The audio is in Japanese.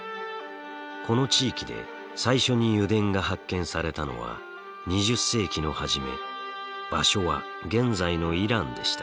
この地域で最初に油田が発見されたのは２０世紀の初め場所は現在のイランでした。